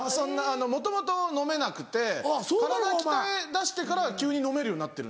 もともと飲めなくて体鍛えだしてから急に飲めるようになってるんです。